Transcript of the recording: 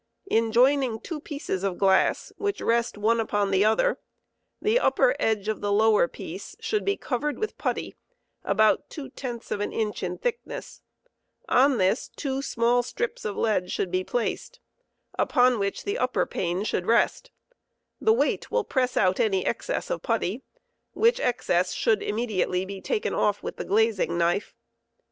In joining two pieces of glass which rest one upon the other, the upper edge of the lower piece should be covered with putty about two tenths of an inch in thickness; on this two small strips of lead should be placed, upon which the upper plate should restj the weight will press out any excess of putty,* which excess should immediately be taken off with the glazing knife.